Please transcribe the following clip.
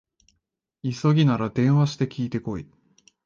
急ぎなら電話して聞いてこい